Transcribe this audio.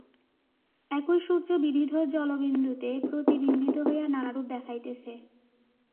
একই সূর্য বিবিধ জলবিন্দুতে প্রতিবিম্বিত হইয়া নানারূপ দেখাইতেছে।